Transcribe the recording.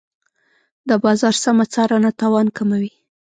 د بازار سمه څارنه تاوان کموي.